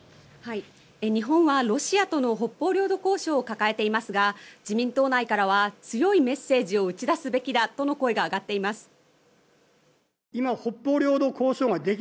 日本はロシアとの北方領土交渉を抱えていますが自民党内からは強いメッセージを打ち出すべきだとの声が上がっています。